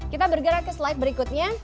kita bergerak ke slide berikutnya